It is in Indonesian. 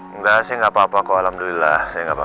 enggak sih gak apa apa kok alhamdulillah